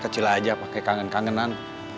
kecil aja pakai kangen kangenan